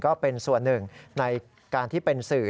ก็เป็นส่วนหนึ่งในการที่เป็นสื่อ